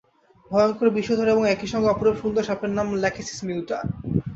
ভয়ংকর বিষধর এবং একই সঙ্গে অপরূপ সুন্দর সাপের নাম ল্যাকেসিস মিউটা।